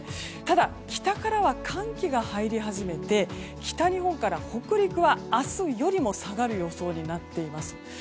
ただ、北からは寒気が入り始めて北日本から北陸は明日よりも下がる予想になっています。